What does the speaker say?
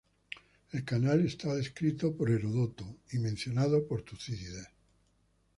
El canal es descrito por Heródoto, y mencionado por Tucídides.